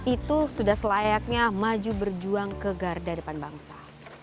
itu sudah selayaknya maju berjuang ke garda depan bangsa